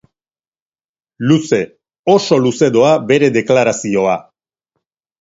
Luze, oso luze doa bere deklarazioa.